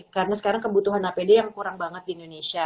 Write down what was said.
karena sekarang kebutuhan apd yang kurang banget di indonesia